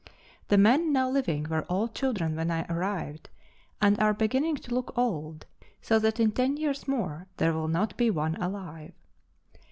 The men now living were all children when I arrived, and are beginning to look old, so that in ten years more there will not be one alive.